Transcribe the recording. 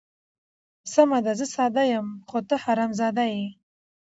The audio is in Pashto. سمه ده زه ساده یم، خو ته حرام زاده یې.